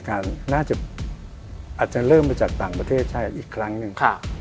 อาจจะเริ่มมาจากต่างประเทศใช่อีกครั้งหนึ่ง